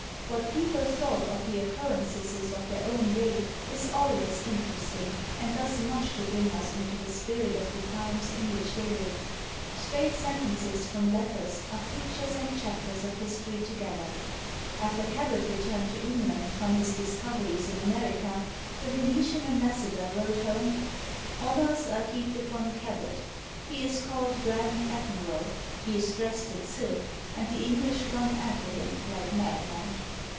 What people thought of the occurrences of their own day is always interesting, and does much to bring us into the spirit of the times in which they lived. Stray sentences from letters are pictures and chapters of history together. After Cabot returned to England from his discoveries in America, the Venetian ambassador wrote home, "Honors are heaped upon Cabot; he is called Grand Admiral, he is dressed in silk, and the English run after him like madmen."